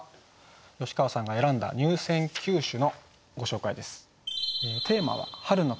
吉川さんが選んだ入選九首のご紹介です。